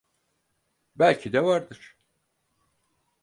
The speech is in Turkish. Belki de vardır.